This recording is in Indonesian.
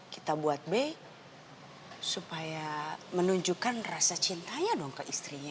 kita buat be supaya menunjukkan rasa cintanya ke istrinya